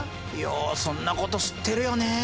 ようそんなこと知ってるよね。